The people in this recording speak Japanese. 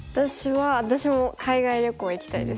私も海外旅行行きたいです。